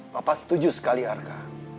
papa setuju sekali arka